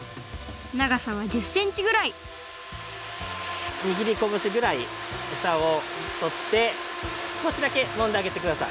ながさは１０センチぐらいにぎりこぶしぐらいエサをとってすこしだけもんであげてください。